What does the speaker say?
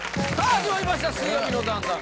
始まりました「水曜日のダウンタウン」